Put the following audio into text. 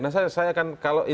kalau ini sangat high tech sekali